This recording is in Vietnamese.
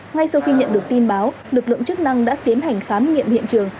ngay sau khi nhận được tin báo lực lượng chức năng đã tiến hành khám nghiệm hiện trường